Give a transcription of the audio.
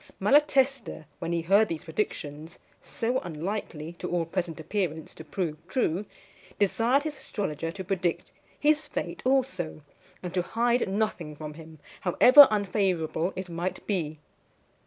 Malatesta, when he heard these predictions, so unlikely, to all present appearance, to prove true, desired his astrologer to predict his fate also, and to hide nothing from him, however unfavourable it might be.